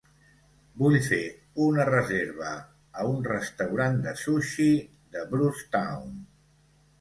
Vull fer una reserva a un restaurant de sushi de Brucetown